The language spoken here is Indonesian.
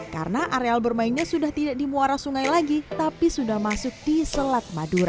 karena areal bermainnya sudah tidak di muara sungai lagi tapi sudah masuk di selat madura